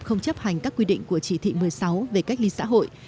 không chấp hành các quy định của chỉ thị một mươi sáu về cách ly xã hội